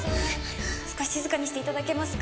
少し静かにして頂けますか？